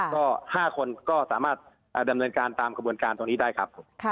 ก็๕คนก็สามารถดำเนินการตามกระบวนการตรงนี้ได้ครับผม